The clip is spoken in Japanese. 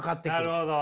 なるほど。